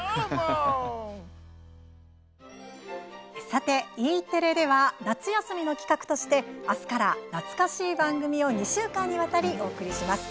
さて、Ｅテレでは夏休みの企画としてあすから、懐かしい番組を２週間にわたり、お送りします。